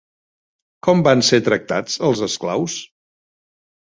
Com van ser tractats els esclaus?